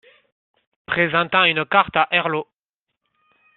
Présentant une carte à Herlaut.